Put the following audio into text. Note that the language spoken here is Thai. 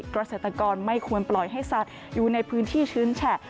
เกษตรกรไม่ควรปล่อยให้สัตว์อยู่ในพื้นที่ชื้นแฉะ